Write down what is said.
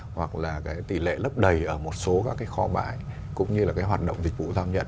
hoặc là tỷ lệ lấp đầy ở một số các kho bãi cũng như là hoạt động dịch vụ giao nhận